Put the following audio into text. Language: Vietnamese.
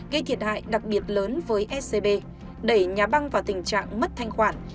gây thiệt hại đặc biệt lớn với scb đẩy nhà băng vào tình trạng mất thanh khoản